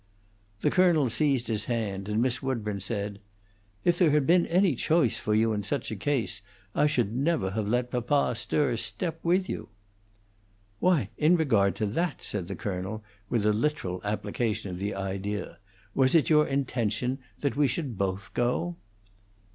The colonel seized his hand, and Miss Woodburn said, "If there had been any choice fo' you in such a case, I should never have let papa stir a step with you." "Why, in regard to that," said the colonel, with a literal application of the idea, "was it your intention that we should both go?"